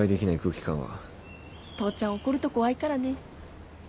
父ちゃん怒ると怖いからね。